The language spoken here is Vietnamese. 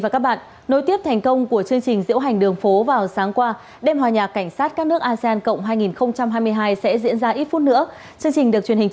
cảm ơn các bạn đã theo dõi